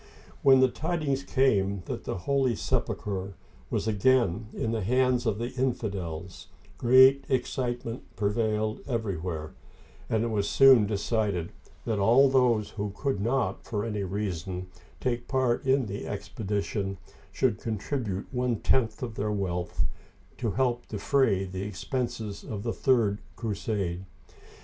When the tidings came that the Holy Sepulcher was again in the hands of the infidels, great excitement pre vailed everywhere, and it was soon decided that all those who could not, for any reason, take part in the expedition, should contribute one tenth of their wealth to help defray the expenses of the third crusade.